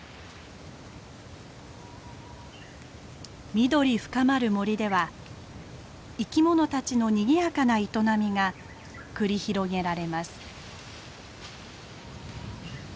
緑深まる森では生き物たちのにぎやかな営みが繰り広げられます。